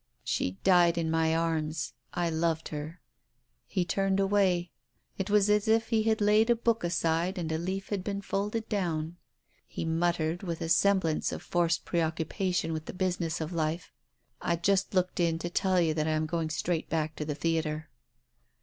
"She died in my arms. I loved her." He turned away. It was as if he had laid a book aside and a leaf had been folded down. He muttered, with a semblance of forced preoccupation with the business of life — "I just looked in to tell you that I am going straight back to the theatre."